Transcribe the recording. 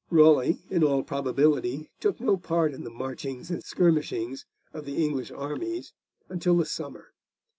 Raleigh, in all probability, took no part in the marchings and skirmishings of the English armies until the summer.